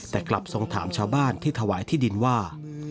แต่กลับทรงถามชาวบ้านที่ถวายที่ดินว่า